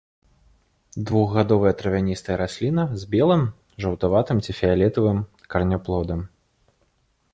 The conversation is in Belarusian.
Двухгадовая травяністая расліна з белым, жаўтаватым ці фіялетавым караняплодам.